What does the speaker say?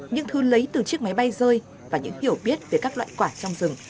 những thứ lấy từ chiếc máy bay rơi và những hiểu biết về các loại quả trong rừng